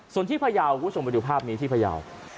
ส่วนที่พยาวคุณผู้ชมไปดูภาพนี้ที่พยาว